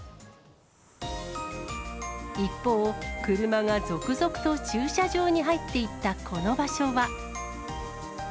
一方、車が続々と駐車場に入っていったこの場所は。